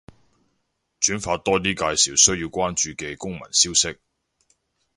轉發多啲介紹需要關注嘅公民消息